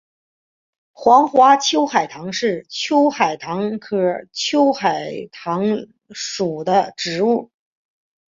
黄花秋海棠是秋海棠科秋海棠属的植物。